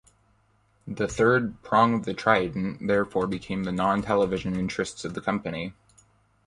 The third 'prong of the trident' therefore became the non-television interests of the company.